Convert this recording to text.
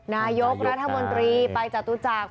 นายพุทธิพงศ์รัฐมนตรีไปจตุจักร